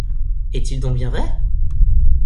Est-il donc bien vrai?